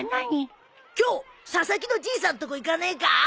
今日佐々木のじいさんとこ行かねえか？